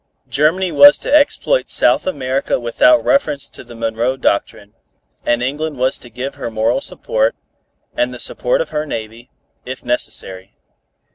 Germany was to exploit South America without reference to the Monroe Doctrine, and England was to give her moral support, and the support of her navy, if necessary.